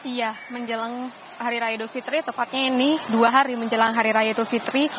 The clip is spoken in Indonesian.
iya menjelang hari raya idul fitri tepatnya ini dua hari menjelang hari raya idul fitri